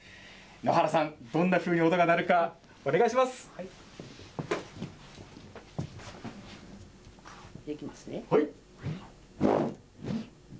野原さん、どんなふうに音が鳴るいきますね。